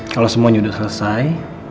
kalau semuanya udah selesai